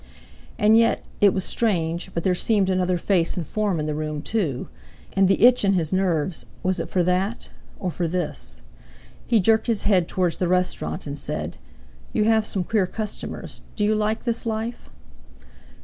And yet—it was strange—but there seemed another face and form in the room too; and the itch in his nerves, was it for that—or for this? He jerked his head towards the restaurant and said: "You have some queer customers. Do you like this life?"